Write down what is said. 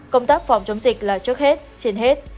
công tác phòng chống dịch là trước hết trên hết